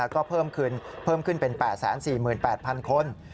ก็เพิ่มขึ้นเป็น๘๔๘๐๐คน